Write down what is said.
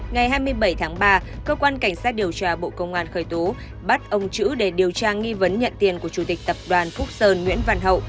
ngày hai mươi bảy tháng ba cơ quan cảnh sát điều tra bộ công an khởi tố bắt ông chữ để điều tra nghi vấn nhận tiền của chủ tịch tập đoàn phúc sơn nguyễn văn hậu